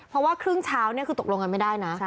เพราะว่าครึ่งเช้าคือตกลงกันไม่ได้นะ